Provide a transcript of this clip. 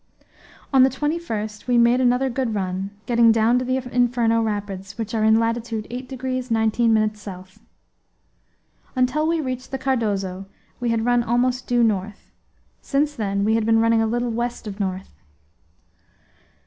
On the 21st we made another good run, getting down to the Inferno rapids, which are in latitude 8 degrees 19 minutes south. Until we reached the Cardozo we had run almost due north; since then we had been running a little west of north.